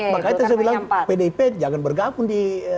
makanya saya bilang pdip jangan bergabung di